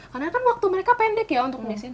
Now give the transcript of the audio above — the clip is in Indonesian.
karena kan waktu mereka pendek ya untuk nulisin